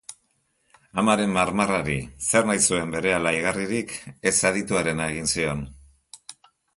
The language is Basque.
Amaren marmarrari, zer nahi zuen berehala igarririk, ez adituarena egin zion.